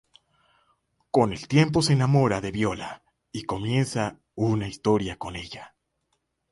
Con el tiempo se enamora de Viola y comienza una historia con ella.